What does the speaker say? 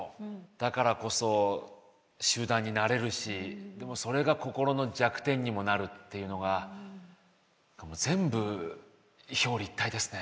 だからこそ集団になれるしでもそれが心の弱点にもなるっていうのが全部表裏一体ですね。